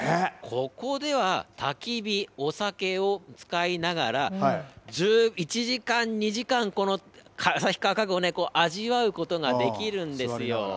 ここではたき火、お酒を使いながら、１時間、２時間、この旭川家具を味わうことができるんですよ。